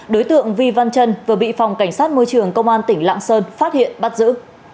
đối tượng vi văn trân vừa bị phòng cảnh sát môi trường công an tỉnh lạng sơn phát hiện bắt giữ